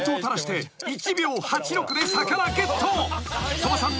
鳥羽さん。